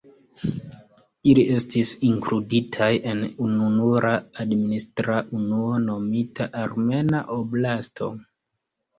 Ili estis inkluditaj en ununura administra unuo nomita Armena Oblasto.